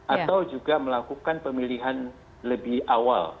atau juga melakukan pemilihan lebih awal